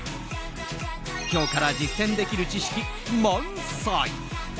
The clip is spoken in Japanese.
今日から実践できる知識満載。